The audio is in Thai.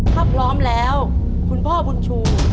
ถ้าพร้อมแล้วคุณพ่อบุญชู